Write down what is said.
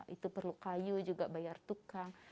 itu perlu kayu juga bayar tukang